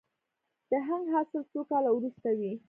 د هنګ حاصل څو کاله وروسته وي؟